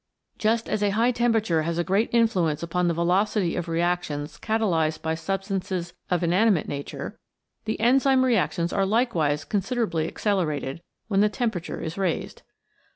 Just as a high temperature has a great influence upon the velocity of reactions catalysed by sub stances of inanimate nature, the enzyme reactions are likewise considerably accelerated, when the temperature is raised.